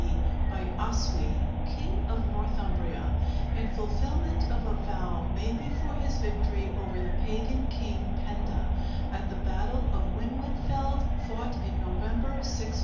D. by Oswy, King of Northumbria, in fulfilment of a vow made before his victory over the pagan king Penda, at the battle of Winwidfield, fought in November, 654.